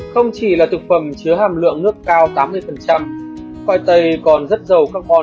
không chỉ là thực phẩm chứa hàm lượng nước cao tám mươi khoai tây còn rất giàu carbon